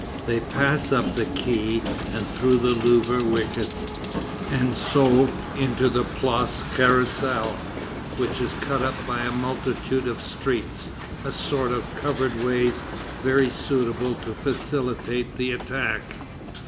They pass up the quay, and through the Louvre wickets, and so into the Place Carrousel, which is cut up by a multitude of streets, a sort of covered ways very suitable to facilitate the attack.